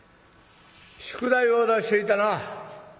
宿題を出していたな。